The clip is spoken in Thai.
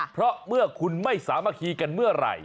เพราะเมื่อคุณไม่สามารถคีกันเมื่อไหร่